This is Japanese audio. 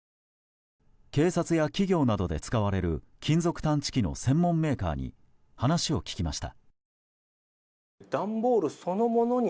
警察や企業などで使われる金属探知機の専門メーカーに話を聞きました。